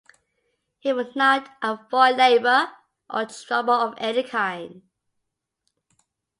He would not avoid labour or trouble of any kind.